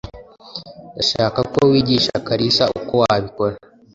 Ndashaka ko wigisha Kalisa uko wabikora.